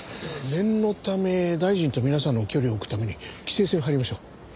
念のため大臣と皆さんの距離を置くために規制線を張りましょう。